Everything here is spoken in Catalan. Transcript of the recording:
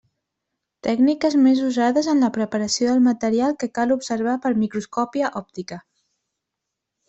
Tècniques més usades en la preparació del material que cal observar per microscòpia òptica.